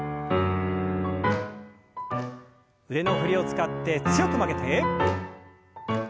腕の振りを使って強く曲げて。